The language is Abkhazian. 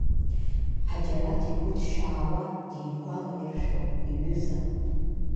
Ҳаџьараҭ игәы ҭшьаауа дигәалаиршәон иҩыза.